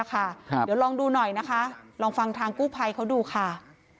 เดี๋ยวลองดูหน่อยนะคะลองฟังทางกู้ภัยเขาดูค่ะ